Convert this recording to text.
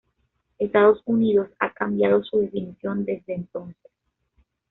Estados Unidos ha cambiado su definición desde entonces.